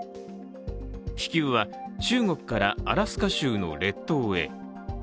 気球は、中国からアラスカ州の列島へ。